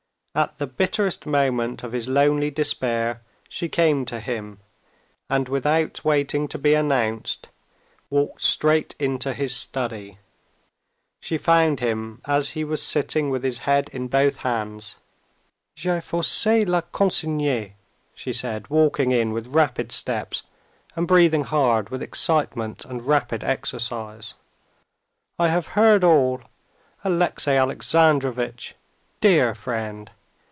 At the bitterest moment of his lonely despair she came to him, and without waiting to be announced, walked straight into his study. She found him as he was sitting with his head in both hands. "J'ai forcé la consigne," she said, walking in with rapid steps and breathing hard with excitement and rapid exercise. "I have heard all! Alexey Alexandrovitch! Dear friend!"